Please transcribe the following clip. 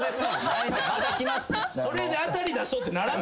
それで当たり出そうってならん。